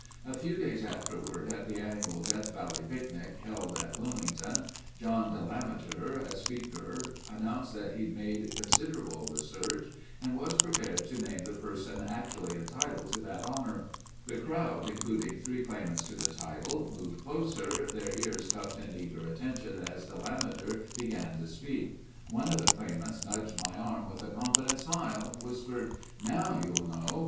A few days afterward, at the annual Death Valley picnic held at Wilmington, John Delameter, a speaker, announced that he'd made considerable research and was prepared to name the person actually entitled to that honor. The crowd, including three claimants of the title, moved closer, their ears cupped in eager attention as Delameter began to speak. One of the claimants nudged my arm with a confident smile, whispered, "Now you'll know...."